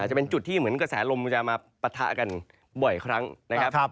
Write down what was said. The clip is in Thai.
จะเป็นจุดที่เหมือนกระแสลมจะมาปะทะกันบ่อยครั้งนะครับ